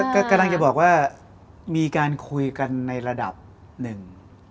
ก็กำลังจะบอกว่ามีการคุยกันในระดับหนึ่ง